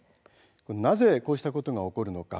なぜこういうことが起こるのか。